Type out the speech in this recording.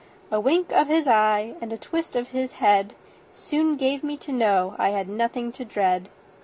A wink of his eye and a twist of his head Soon gave me to know I had nothing to dread.